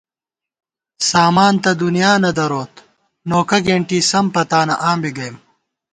سامان تہ دُنیا نہ دروت نوکہ گېنٹی سم پتانہ آں بی گئیم